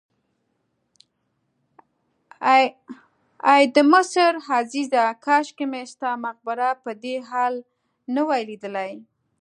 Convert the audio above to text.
ای د مصر عزیزه کاشکې مې ستا مقبره په دې حال نه وای لیدلې.